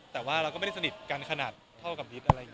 แต่ว่าเราก็ไม่ได้สนิทกันขนาดเท่ากับนิดอะไรอย่างนี้